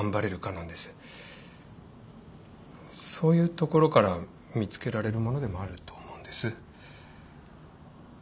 そういうところから見つけられるものでもあると思うんです。